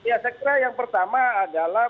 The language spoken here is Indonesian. ya saya kira yang pertama adalah